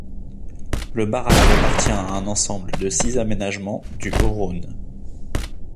Le barrage appartient à un ensemble de six aménagements du Haut Rhône.